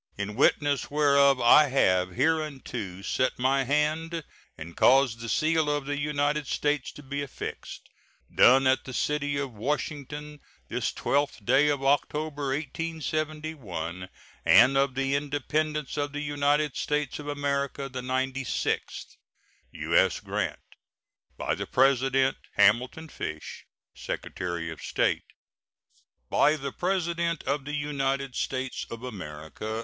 In witness whereof I have hereunto set my hand and caused the seal of the United States to be affixed. Done at the city of Washington, this 12th day of October, A.D. 1871, and of the Independence of the United States of America the ninety sixth. [SEAL.] U.S. GRANT. By the President: HAMILTON FISH, Secretary of State. BY THE PRESIDENT OF THE UNITED STATES OF AMERICA.